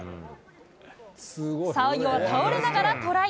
最後は倒れながらトライ。